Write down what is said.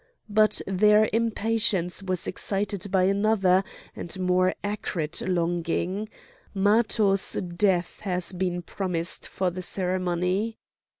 But their impatience was excited by another and more acrid longing: Matho's death has been promised for the ceremony.